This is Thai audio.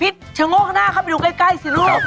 ชะโงกหน้าเข้าไปดูใกล้สิลูก